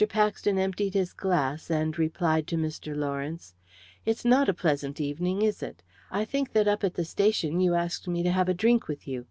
Paxton emptied his glass, and replied to Mr. Lawrence "It's not a pleasant evening, is it? I think that up at the station you asked me to have a drink with you.